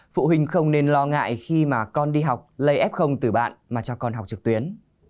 phụ huynh không nên lo ngại khi mà con đi học lây f từ bạn mà cho con học trực tuyến